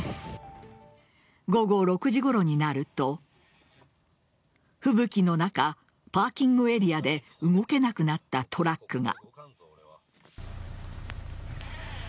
午後６時ごろになると吹雪の中、パーキングエリアで動けなくなったトラックが。